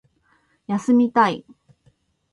休みたい